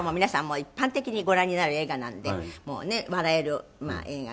一般的にご覧になる映画なんでもうね笑える映画で。